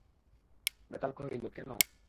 বেতাল কহিল, কেন?